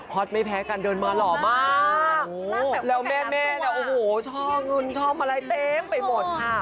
ฮอตไม่แพ้กันเดินมาหล่อมากแล้วเมนชอบเมิดเต็มไปหมดค่ะ